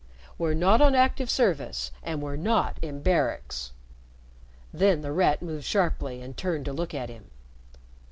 We're not on active service, and we're not in barracks." Then The Rat moved sharply and turned to look at him.